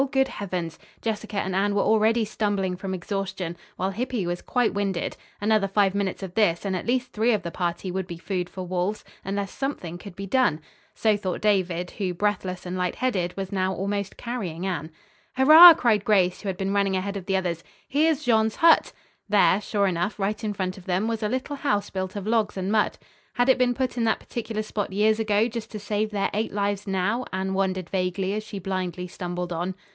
Good heavens! Jessica and Anne were already stumbling from exhaustion, while Hippy was quite winded. Another five minutes of this and at least three of the party would be food for wolves, unless something could be done. So thought David, who, breathless and light headed, was now almost carrying Anne. "Hurrah!" cried Grace, who had been running ahead of the others. "Here's Jean's hut!" There, sure enough, right in front of them, was a little house built of logs and mud. Had it been put in that particular spot years ago just to save their eight lives now? Anne wondered vaguely as she blindly stumbled on.